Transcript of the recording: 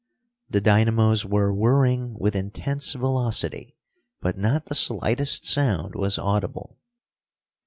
The dynamos were whirring with intense velocity, but not the slightest sound was audible.